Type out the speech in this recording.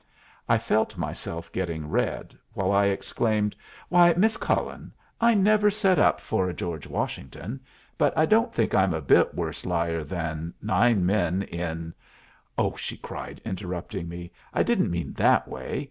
I felt myself getting red, while I exclaimed, "Why, Miss Cullen, I never set up for a George Washington, but I don't think I'm a bit worse liar than nine men in " "Oh," she cried, interrupting me, "I didn't mean that way.